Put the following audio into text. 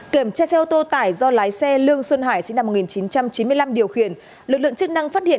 kiểm tra xe ô tô tải do lái xe lương xuân hải sinh năm một nghìn chín trăm chín mươi năm điều khiển lực lượng chức năng phát hiện